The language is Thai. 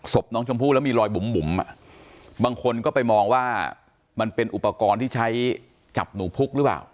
ศพน้องชมพู่แล้วมีรอยบุ๋มบางคนก็ไปมองว่ามันเป็นอุปกรณ์ที่ใช้จับหนูพุกหรือเปล่า